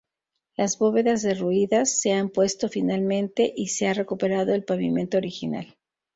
Las bóvedas derruidas, se han repuesto finalmente y se ha recuperado el pavimento original.